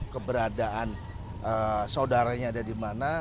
keberadaan saudaranya ada di mana